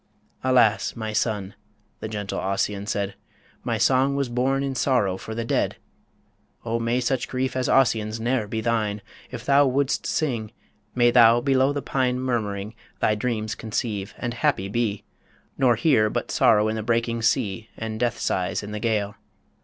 "Alas! my son," the gentle Ossian said, "My song was born in sorrow for the dead!... O may such grief as Ossian's ne'er be thine! If thou would'st sing, may thou below the pine Murmuring, thy dreams conceive, and happy be, Nor hear but sorrow in the breaking sea And death sighs in the gale.